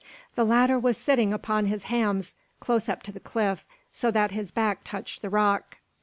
The latter was sitting upon his hams, close up to the cliff, so that his back touched the rock.